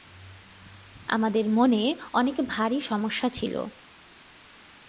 আমাদের মনে অনেক ভারী সমস্যা ছিল।